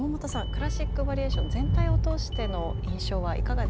クラシック・バリエーション全体を通しての印象はいかがでしたか？